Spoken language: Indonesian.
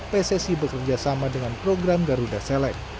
pcc bekerjasama dengan program garuda select